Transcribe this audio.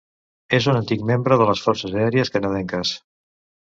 És un antic membre de les forces aèries canadenques.